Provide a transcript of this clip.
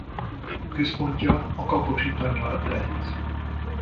Központja a Kaposi tanya lett.